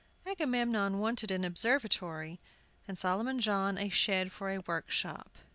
Agamemnon wanted an observatory, and Solomon John a shed for a workshop.